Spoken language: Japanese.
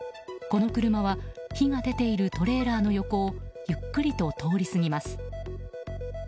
この車は火が出ているトレーラーの横をゆっくりと通り過ぎます。